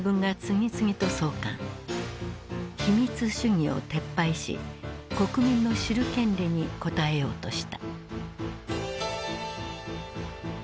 秘密主義を撤廃し国民の知る権利に応えようとした。